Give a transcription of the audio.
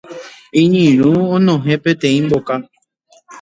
Iñirũ onohẽ peteĩ mboka